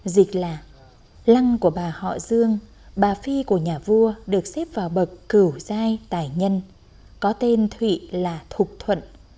dịch là lăng của bà họ dương bà phi của nhà vua được xếp vào bậc cửu giai tài nhân có tên thụy là thục thuận